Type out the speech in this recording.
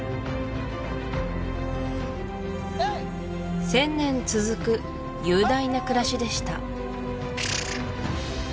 １０００年続く雄大な暮らしでした